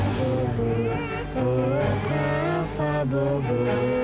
kak fah bubu oh kak fah bubu